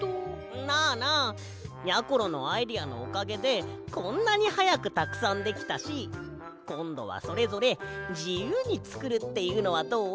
なあなあやころのアイデアのおかげでこんなにはやくたくさんできたしこんどはそれぞれじゆうにつくるっていうのはどう？